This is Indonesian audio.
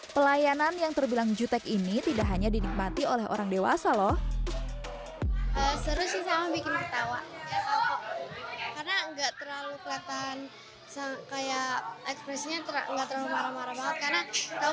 pelayanan yang terbilang jutek ini tidak hanya dinikmati oleh orang dewasa loh